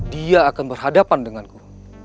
dia akan berhadapan denganku